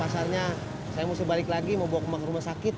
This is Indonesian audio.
pasarnya saya mesti balik lagi mau bawa ke rumah sakit